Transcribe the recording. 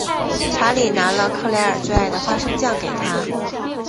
查理拿了克莱尔最爱的花生酱给她。